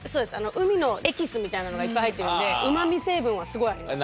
海のエキスみたいなのがいっぱい入ってるのでうまみ成分はすごいあります。